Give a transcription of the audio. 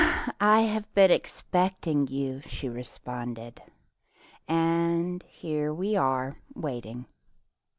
"I have been expecting you," she re sponded, "and here we are waiting.